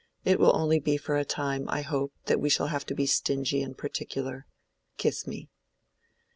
It will only be for a time, I hope, that we shall have to be stingy and particular. Kiss me."